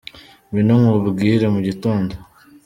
Ngwino nkubwire mugitondo